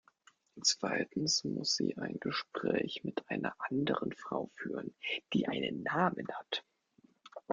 Zweitens muss sie ein Gespräch mit einer anderen Frau führen, die einen Namen hat.